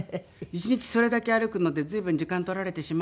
１日それだけ歩くので随分時間取られてしまうので。